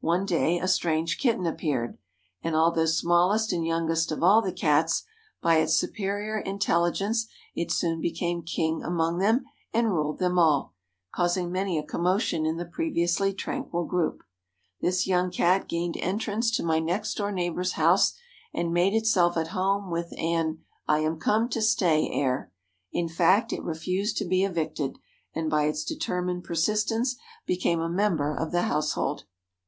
One day a strange kitten appeared, and although smallest and youngest of all the Cats, by its superior intelligence it soon became king among them and ruled them all, causing many a commotion in the previously tranquil group. This young Cat gained entrance to my next door neighbor's house and made itself at home with an "I am come to stay" air. In fact, it refused to be evicted, and by its determined persistence became a member of the household.